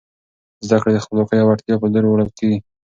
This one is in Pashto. زده کړه د خپلواکۍ او وړتیا په لور وړل کیږي.